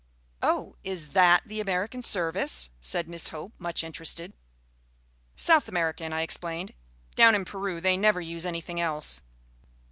"Oh, is that the American service?" said Miss Hope, much interested. "South American," I explained. "Down in Peru they never use anything else."